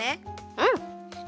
うん。